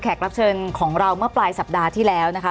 รับเชิญของเราเมื่อปลายสัปดาห์ที่แล้วนะคะ